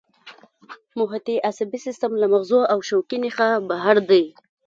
محیطي عصبي سیستم له مغزو او شوکي نخاع بهر دی